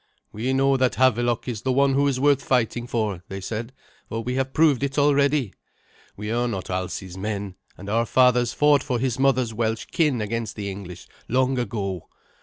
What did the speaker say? "We know that Havelok is one who is worth fighting for," they said, "for we have proved it already. We are not Alsi's men, and our fathers fought for his mother's Welsh kin against the English long ago.